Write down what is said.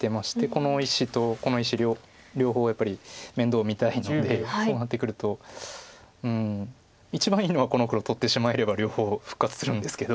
この石とこの石両方やっぱり面倒見たいのでそうなってくるとうん一番いいのはこの黒取ってしまえれば両方復活するんですけど。